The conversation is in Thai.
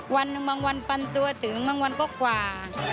บางวันปันตัวถึงบางวันก็กว่า